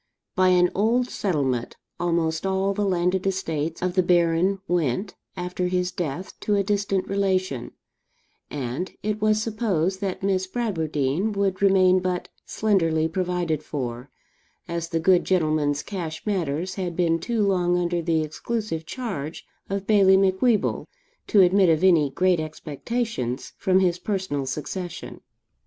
By an old settlement, almost all the landed estates of the Baron went, after his death, to a distant relation; and it was supposed that Miss Bradwardine would remain but slenderly provided for, as the good gentleman's cash matters had been too long under the exclusive charge of Bailie Macwheeble to admit of any great expectations from his personal succession.